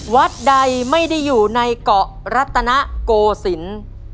วัดใดไม่ได้อยู่ในเกาะรัตนโกศิลป์